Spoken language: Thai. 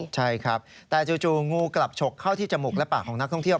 ใช่ครับแต่จู่งูกลับฉกเข้าที่จมูกและปากของนักท่องเที่ยว